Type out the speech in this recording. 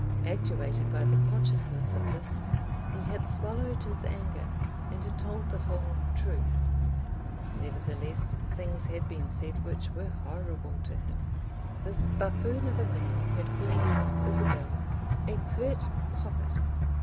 Actuated by the consciousness of this, he had swallowed his anger, and had told the whole truth. Nevertheless things had been said which were horrible to him. This buffoon of a man had called his Isabel a pert poppet!